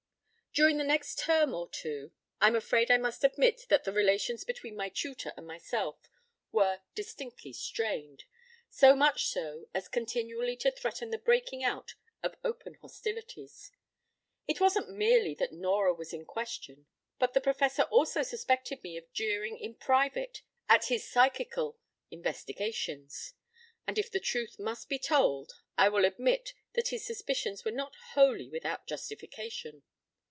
p> During the next term or two, I'm afraid I must admit that the relations between my tutor and myself were distinctly strained, so much so as continually to threaten the breaking out of open hostilities. It wasn't merely that Nora was in question, but the Professor also suspected me of jeering in private at his psychical investigations. And if the truth must be told, I will admit that his suspicions were not wholly without justification.